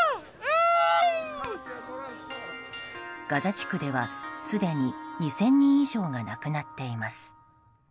ガザ地区では、すでに２０００人以上が亡くなっています。